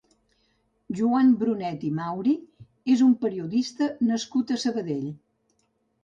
Joan Brunet i Mauri és un periodista nascut a Sabadell.